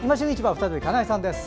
再び金井さんです。